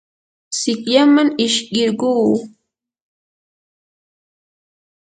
sikyaman ishkirquu.